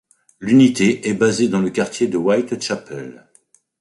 L'unité est basée dans le quartier de Whitechapel.